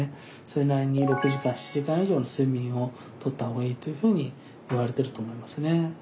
それなりに６時間７時間以上の睡眠を取った方がいいというふうにいわれてると思いますね。